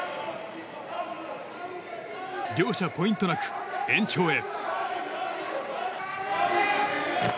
両者ポイントなく延長へ。